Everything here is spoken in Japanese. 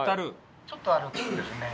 ちょっと歩くとですね